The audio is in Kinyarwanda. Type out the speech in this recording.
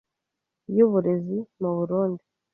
y’Uburezi mu Burunndi